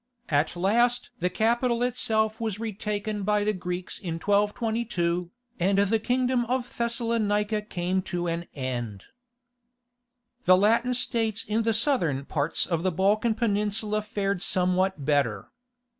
At last the capital itself was retaken by the Greeks in 1222, and the kingdom of Thessalonica came to an end. The Latin states in the southern parts of the Balkan Peninsula fared somewhat better.